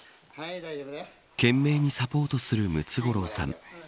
懸命にサポートするムツゴロウさん。